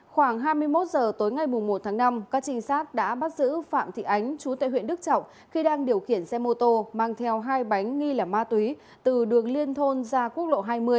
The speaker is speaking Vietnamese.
khoảng hai mươi một h tối ngày một tháng năm các trinh sát đã bắt giữ phạm thị ánh chú tại huyện đức trọng khi đang điều khiển xe mô tô mang theo hai bánh nghi là ma túy từ đường liên thôn ra quốc lộ hai mươi